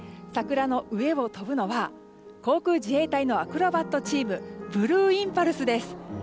桜の上を飛ぶのは航空自衛隊のアクロバットチームブルーインパルスです。